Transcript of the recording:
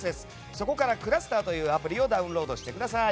そこからｃｌｕｓｔｅｒというアプリをダウンロードしてください。